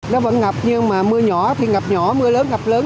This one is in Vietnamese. nó vẫn ngập nhưng mà mưa nhỏ thì ngập nhỏ mưa lớn ngập lớn